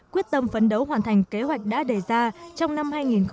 quyết tâm phấn đấu hoàn thành kế hoạch đã đề ra trong năm hai nghìn một mươi bảy